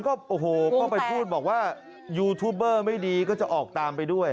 ก็โอ้โหก็ไปพูดบอกว่ายูทูบเบอร์ไม่ดีก็จะออกตามไปด้วย